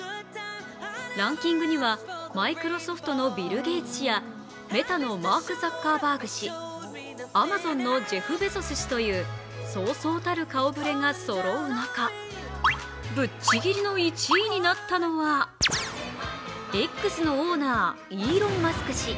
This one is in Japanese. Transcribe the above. ランキングにはマイクロソフトのビル・ゲイツやメタのマーク・ザッカーバーグ氏、アマゾンのジェフ・ベゾス氏というそうそうたる顔ぶれがそろう中、ぶっちりぎの１位になったのはＸのオーナー、イーロン・マスク氏。